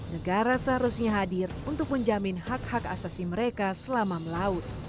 negara seharusnya hadir untuk menjamin hak hak asasi mereka selama melaut